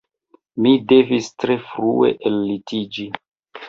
Mi devis tre frue ellitiĝi